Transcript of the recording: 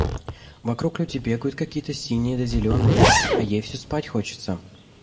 Вокруг люди бегают какие-то синие да зеленые, а ей всё спать хочется.